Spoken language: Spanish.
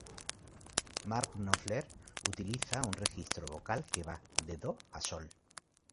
Mark Knopfler, utiliza un registro vocal que va de "do" a "sol".